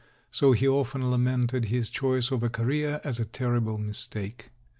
So he often lamented his choice of a career as a ter rible mistake.